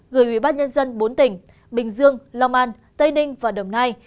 gửi ubnd bốn tỉnh bình dương long an tây ninh và đồng nai